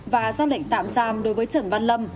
và ra lệnh tạm giam đối với trần văn lâm